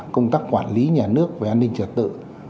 công tác quản lý nhà nước về an ninh trật tự